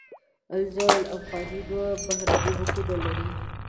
الزاویة الافغانیه دوه بهرنۍ مخونه لري.